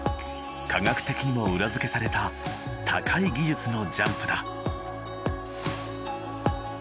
科学的にも裏付けされた高い技術のジャンプだ。